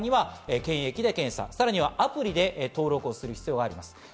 帰ってきた場合、検疫で検査、さらにはアプリで登録をする必要があります。